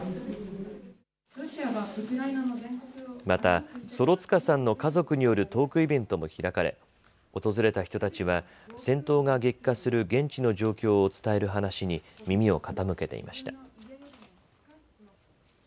またソロツカさんの家族によるトークイベントも開かれ訪れた人たちは戦闘が激化する現地の状況を伝える話に耳を傾けていました。